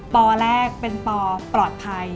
ปแรกเป็นปปลอดภัย